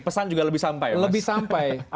pesan juga lebih sampai